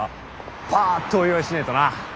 パッとお祝いしねぇとな。